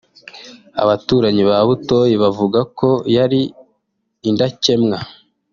Abaturanyi ba Butoyi bavuga ko yari indakemwa